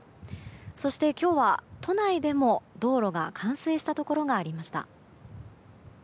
そして今日は都内でも道路が冠水したところがありました。